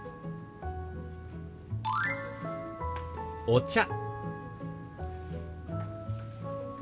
「お茶」。